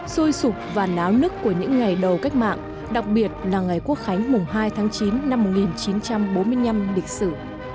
sôi sụp và náo nức của những ngày đầu cách mạng đặc biệt là ngày quốc khánh mùng hai tháng chín năm một nghìn chín trăm bốn mươi năm lịch sử